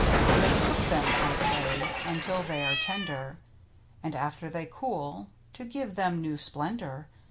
Then cook them, I pray, until they are tender, And after they cool, to give them new splendor.